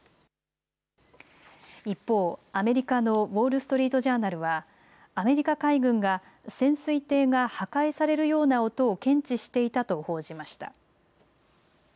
一方、アメリカのウォール・ストリート・ジャーナルはアメリカ海軍が潜水艇が破壊されるような音を検知していたと報じました。